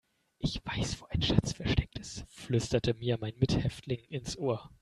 Ich weiß, wo ein Schatz versteckt ist, flüsterte mir mein Mithäftling ins Ohr.